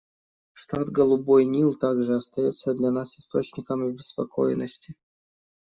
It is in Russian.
Штат Голубой Нил также остается для нас источником обеспокоенности.